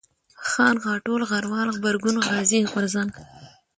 خان ، غاټول ، غروال ، غبرگون ، غازي ، غورځنگ